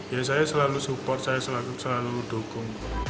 ya saya selalu support saya selalu dukung